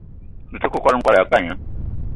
Me te kwal-n'kwal ya pagna